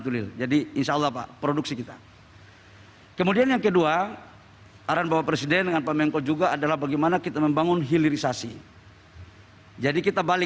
khususnya keperluan ekonomi dan teknologi